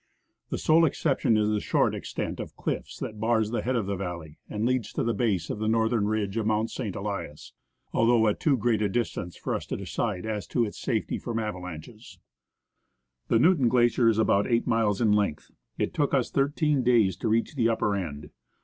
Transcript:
The sole exception is the short extent of cliff that bars the head of the valley and leads to the base of the northern ridge of Mount St. Elias, although at too great a distance for us to decide as to its safety from avalanches. NORTH SIDE OF THE VALLEY, FROM THE SECOND PLATEAU OF NEWTON GLACIER. The Newton Glacier is about eight miles in length. It took us thirteen days to reach the upper end.